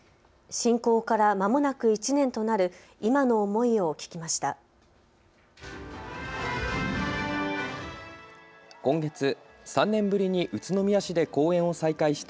侵攻からまもなく１年となる今の思いを聞きました。